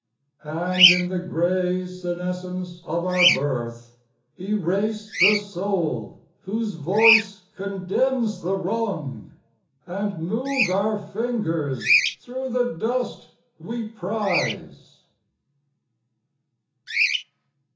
And in the gray senescence of our birth Erase the soul whose voice condemns the wrong, And move our fingers through the dust we prize.